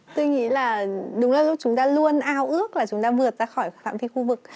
tôi nghĩ là đúng là lúc chúng ta luôn ao ước là chúng ta vượt ra khỏi phạm vi khu vực